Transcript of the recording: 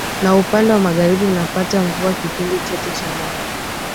na upande wa Magharibi unapata mvua kipindi chote cha mwaka